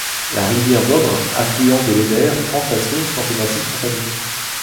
La rivière Bóbr, affluent de l'Oder, prend sa source dans ce massif montagneux.